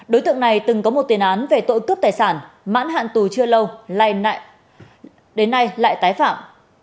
đối tượng này từng có một tiền án về tội cướp tài sản mãn hạn tù chưa lâu lai đến nay lại tái phạm